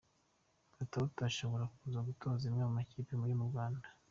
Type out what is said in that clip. Katauti ashobora kuza gutoza imwe mu makipe yo mu Rwanda.